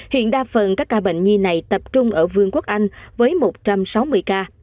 hiện đa phần các ca bệnh nhi này tập trung ở vương quốc anh với một trăm sáu mươi ca